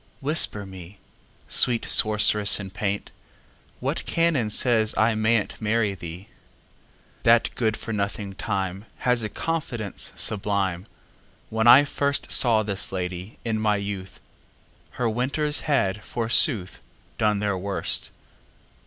Whisper me, Sweet sorceress in paint, What canon says I may n'tMarry thee? That good for nothing TimeHas a confidence sublime! When I firstSaw this lady, in my youth, Her winters had, forsooth, Done their worst.